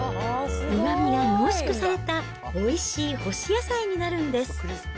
うまみが濃縮されたおいしい干し野菜になるんです。